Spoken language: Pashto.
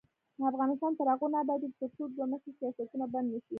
افغانستان تر هغو نه ابادیږي، ترڅو دوه مخي سیاستونه بند نشي.